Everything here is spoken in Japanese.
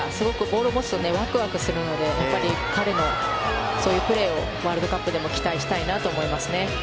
ボールを持つとワクワクするので彼のそういうプレーをワールドカップでも期待したいと思いますね。